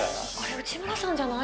内村さんじゃない？